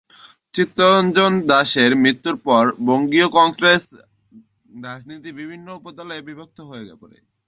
চিত্তরঞ্জন দাশের মৃত্যুর পর বঙ্গীয় কংগ্রেস রাজনীতি বিভিন্ন উপদলে বিভক্ত হয়ে পড়ে।